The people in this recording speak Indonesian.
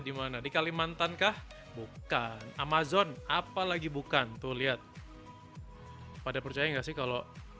di mana di kalimantankah bukan amazon apalagi bukan tuh lihat pada percaya nggak sih kalau